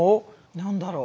何だろう？